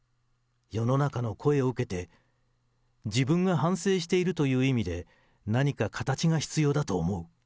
世の中の声を受けて、自分が反省しているという意味で、何か形が必要だと思う。